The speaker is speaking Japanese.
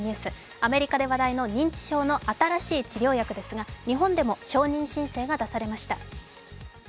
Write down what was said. アメリカで話題の認知症の新しい治療薬ですが日本でも承認申請が出されました。